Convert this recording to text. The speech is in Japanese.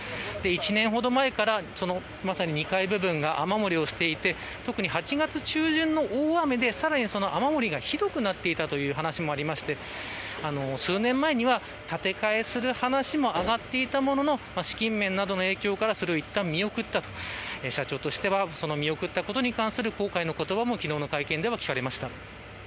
１年ほど前から、この２階部分が雨漏りをしていて特に、８月中旬の大雨でさらにその雨漏りがひどくなっていたという話もありまして数年前には建て替えをする話も挙がっていたものの資金面の影響からそれをいったん見送ったというふうに社長としては見送ったことの後悔の声が聞かれました。